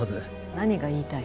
何が言いたい？